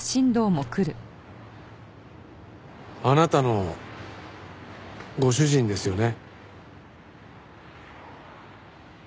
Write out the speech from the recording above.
あなたのご主人ですよね。